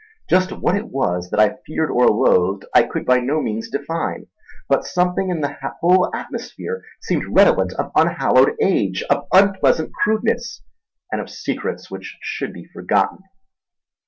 Just what it was that I feared or loathed, I could by no means define; but something in the whole atmosphere seemed redolent of unhallowed age, of unpleasant crudeness, and of secrets which should be forgotten.